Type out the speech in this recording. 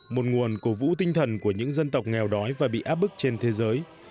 một nguồn cổ vũ tinh thần của những dân tộc nghèo đói và bị áp bức trên thế giới